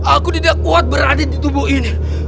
aku tidak kuat berada di tubuh ini